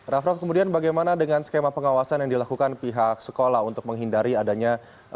raff raff kemudian bagaimana dengan skema pengawasan yang dilakukan pihak sekolah untuk menghindari adanya